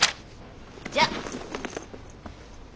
じゃあ。